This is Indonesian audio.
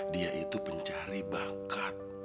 dia itu pencari bakat